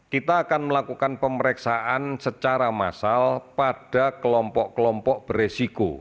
kita akan melakukan pemeriksaan secara massal pada kelompok kelompok beresiko